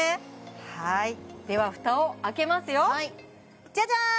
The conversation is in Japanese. はいでは蓋を開けますよじゃじゃーん！